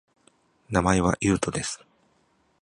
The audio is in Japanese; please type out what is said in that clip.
名前は、ゆうとです